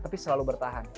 tapi selalu bertahan